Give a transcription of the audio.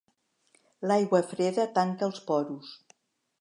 L'aigua freda tanca els porus.